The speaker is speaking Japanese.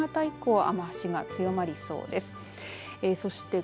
特に夕方以降は雨足が強まりそうです。